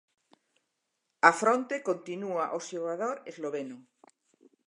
Á fronte continúa o xogador esloveno.